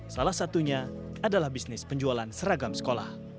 salah satunya adalah bisnis penjualan seragam sekolah